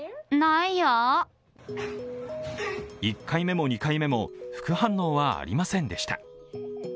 １回目も２回目も副反応はありませんでした。